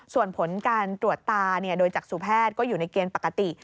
ส่วนผลการตรวจตาโดยจักษุแพทย์ก็อยู่ในเกณฑ์ปกติ